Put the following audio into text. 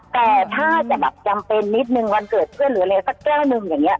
แต่ถ้าจะแบบจำเป็นนิดนึงวันเกิดเพื่อนหรืออะไรสักแก้วหนึ่งอย่างนี้